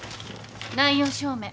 内容証明。